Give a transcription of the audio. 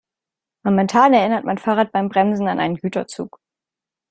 Momentan erinnert mein Fahrrad beim Bremsen an einen Güterzug.